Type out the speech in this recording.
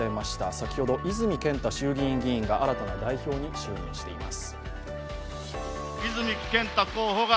先ほど、泉健太衆議院議員が新たな代表に就任しています。